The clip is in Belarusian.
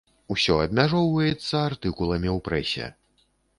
Усё абмяжоўваецца артыкуламі ў прэсе.